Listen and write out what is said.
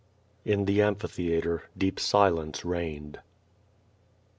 In the amphitheatre deep silence reigned.